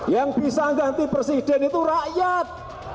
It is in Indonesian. yang bisa ganti presiden itu rakyat